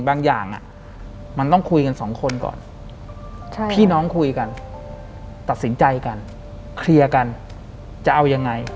หลังจากนั้นเราไม่ได้คุยกันนะคะเดินเข้าบ้านอืม